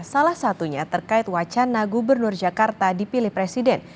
salah satunya terkait wacana gubernur jakarta dipilih presiden